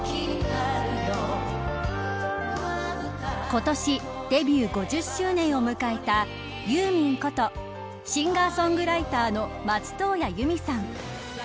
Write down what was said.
今年デビュー５０周年を迎えたユーミンことシンガーソングライターの松任谷由実さん。